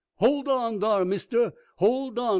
"Hold on dar, mistah! Hold on!"